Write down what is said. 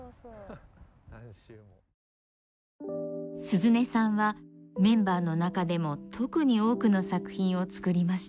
鈴音さんはメンバーの中でも特に多くの作品を作りました。